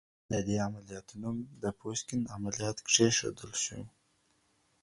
د دې عملياتو نوم د پوشکين عمليات کېښودل شو.